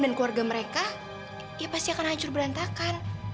dan keluarga mereka ya pasti akan hancur berantakan